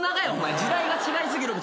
時代が違いすぎる。